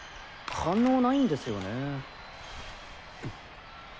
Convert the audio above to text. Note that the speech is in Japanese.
反応ないんですよね。